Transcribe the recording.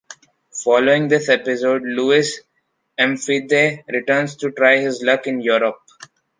Following this episode, Louis M'Fédé returns to try his luck in Europe.